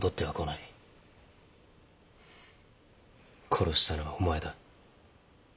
殺したのはお前だ。